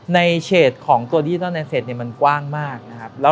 ในเฉดของตัวที่ต้องในเฉดมันกว้างมากนะครับ